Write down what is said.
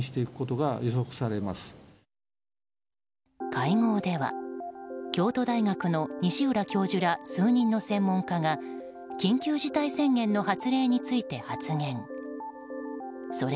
会合では京都大学の西浦教授ら数人の専門家が緊急事態宣言の発令について発言。